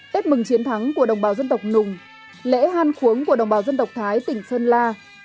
tết mừng chiến thắng của đồng bào dân tộc nùng lễ han khuống của đồng bào dân tộc thái tỉnh sơn la